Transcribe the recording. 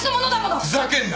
ふざけんな！